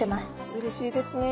うれしいですね。